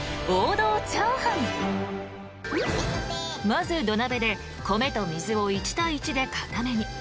［まず土鍋で米と水を１対１で硬めに］